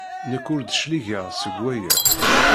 Nekk ur d-cligeɣ seg waya.